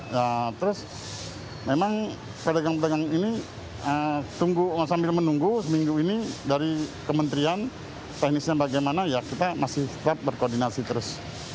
ya terus memang pedagang pedagang ini sambil menunggu seminggu ini dari kementerian teknisnya bagaimana ya kita masih tetap berkoordinasi terus